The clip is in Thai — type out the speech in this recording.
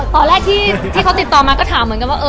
ตอนแรกที่เขาติดต่อมาก็ถามเหมือนกันว่า